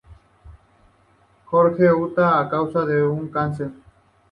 George, Utah, a causa de un cáncer.